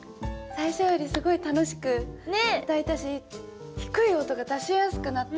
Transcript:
最初よりすごい楽しく歌えたし低い音が出しやすくなって歌いやすかったです。